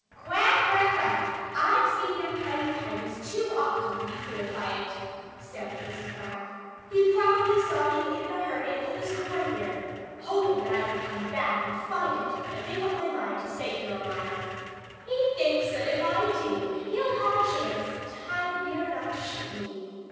"Quack, quack, quack! I've seen that kind of kindness too often to be fooled by it," snapped Mrs. Quack. "He probably saw me leave in a hurry and put this corn here, hoping that I would come back and find it and make up my mind to stay here a while. He thinks that if I do, he'll have a chance to hide near enough to shoot me.